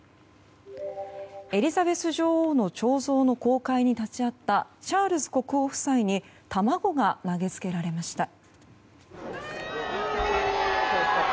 エリザベス女王の彫像の公開に立ち会ったチャールズ国王夫妻に卵が投げつけられました。